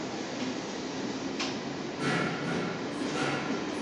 Během vývoje se centrum vulkanické aktivity přesouvá na východ.